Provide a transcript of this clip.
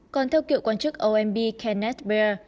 còn theo cựu quan chức omb kenneth baer